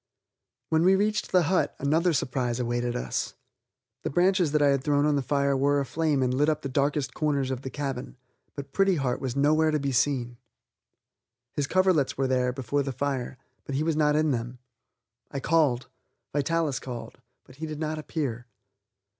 When we reached the hut another surprise awaited us. The branches that I had thrown on the fire were aflame and lit up the darkest corners of the cabin, but Pretty Heart was nowhere to be seen. His coverlets were there before the fire, but he was not in them. I called. Vitalis called, but he did not appear.